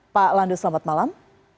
pak lando selamat malam